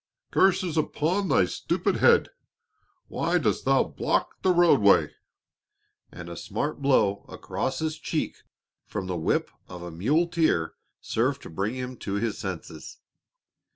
"Curses upon thy stupid head! Why dost thou block the roadway?" And a smart blow across his cheek from the whip of a muleteer served to bring him to his senses.